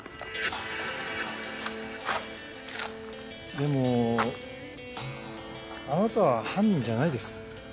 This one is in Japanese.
でもあなたは犯人じゃないです。